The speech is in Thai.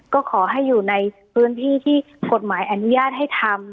ก็ขอให้อยู่ในพื้นที่ที่กฎหมายอนุญาตให้ทำ